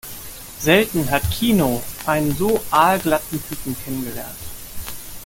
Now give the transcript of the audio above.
Selten hat Keno einen so aalglatten Typen kennengelernt.